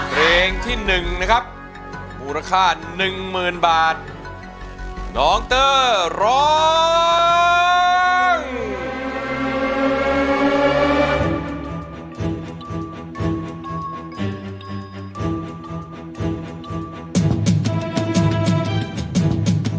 โรคใจโรคใจโรคใจโรคใจ